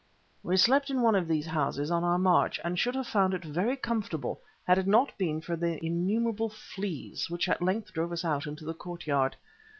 We slept in one of these houses on our march, and should have found it very comfortable had it not been for the innumerable fleas which at length drove us out into the courtyard.